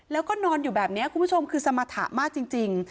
แล้วก็นอนอยู่แบบนี้คุณผู้ชมคือสมรรถะมากจริง